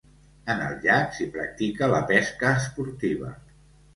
En el llac s'hi practica la pesca esportiva.